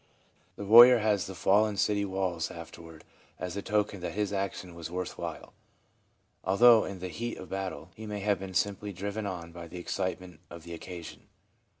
The warrior has the fallen city walls after ward as a token that his action was worth while, although in the heat of battle he may have been simply driven on by the excitement of the occasion.